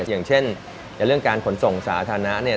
อย่างเช่นในเรื่องการขนส่งสาธารณะเนี่ย